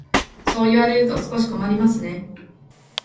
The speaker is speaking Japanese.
そう言われると少し困りますね。